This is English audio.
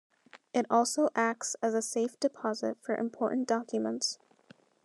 It also acts as a safe deposit for important documents.